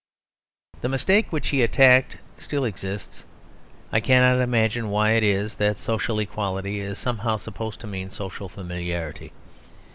The mistake which he attacked still exists. I cannot imagine why it is that social equality is somehow supposed to mean social familiarity.